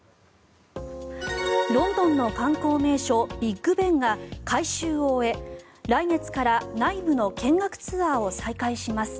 ロンドンの観光名所ビッグ・ベンが改修を終え来月から内部の見学ツアーを再開します。